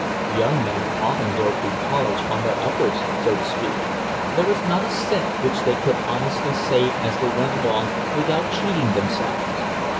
Young men often go through college on their "uppers," so to speak. There is not a cent which they could honestly save as they went along without cheating themselves.